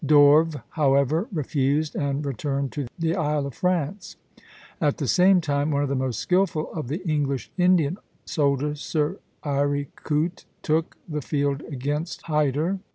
D'Orves, however, refused, and returned to the Isle of France. At the same time one of the most skilful of the English Indian soldiers, Sir Eyre Coote, took the field against Hyder.